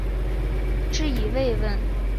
潘基文则向袭击事件遇害者家人致以慰问。